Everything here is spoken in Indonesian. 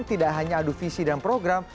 tidak hanya adu visi dan program